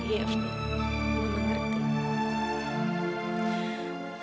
iya efi aku mengerti